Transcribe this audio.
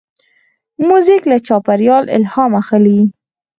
موزیک له چاپېریال الهام اخلي.